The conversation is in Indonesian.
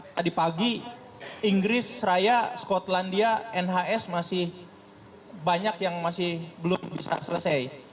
tadi pagi inggris raya skotlandia nhs masih banyak yang masih belum bisa selesai